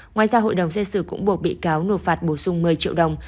ngoài ra hội đồng xét xử cũng buộc bị cáo nộp phạt bổ sung một mươi triệu đồng